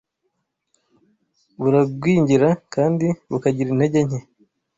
buragwingira kandi bukagira intege nke